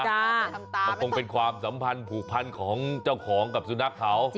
มันคงเป็นความสัมพันธ์ผูกพันของเจ้าของกับสุนัขเขา